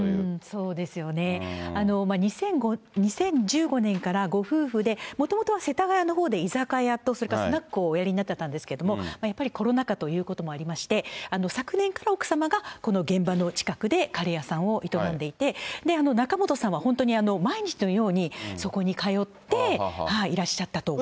そうですね、２０１５年からご夫婦で、もともとは世田谷のほうで居酒屋とそれからスナックをおやりになってたんですけど、やっぱりコロナ禍ということもありまして、昨年から奥様がこの現場の近くでカレー屋さんを営んでいて、仲本さんは本当に毎日のようにそこに通っていらっしゃったと。